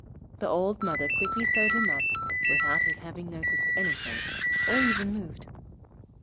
The old mother quickly sewed him up, without his having noticed anything, or even moved.